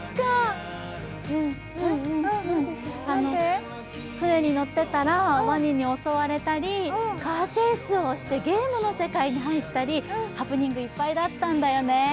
うんうん、船に乗ってたらわにに襲われたり、カーチェイスをしてゲームの世界に入ったりハプニングいっぱいだったんだよね。